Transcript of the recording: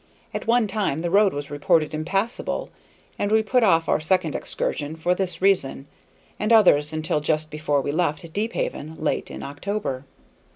At one time the road was reported impassable, and we put off our second excursion for this reason and others until just before we left Deephaven, late in October.